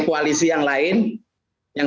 koalisi yang lain yang